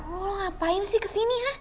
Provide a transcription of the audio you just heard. lo ngapain sih kesini